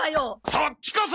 そっちこそ！